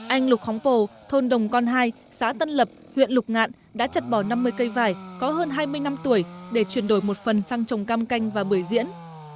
anh lục khóng bồ thôn đồng con hai xã tân lập huyện lục ngạn đã chặt bỏ năm mươi cây vải có hơn hai mươi năm tuổi để chuyển đổi một phần sang trồng cam canh và bưởi diễn